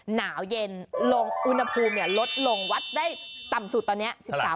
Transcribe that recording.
หนาวเย็นลงอุณหภูมิลดลงวัดได้ต่ำสุดตอนนี้